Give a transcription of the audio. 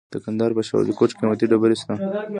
د کندهار په شاه ولیکوټ کې قیمتي ډبرې شته.